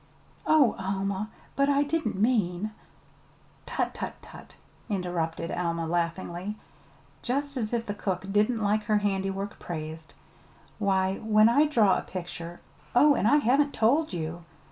"Oh, Alma, but I didn't mean " "Tut, tut, tut!" interrupted Alma laughingly. "Just as if the cook didn't like her handiwork praised! Why, when I draw a picture oh, and I haven't told you!"